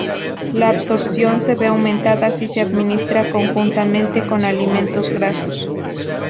La absorción se ve aumentada si se administra conjuntamente con alimentos grasos.